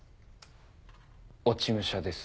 落ち武者です。